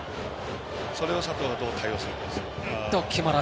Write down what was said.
それを佐藤がどう対応するかです。